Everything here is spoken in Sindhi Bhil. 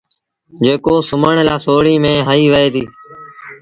جيڪو سُومڻ لآ سوڙيٚن ميݩ هنئيٚ وهي ديٚ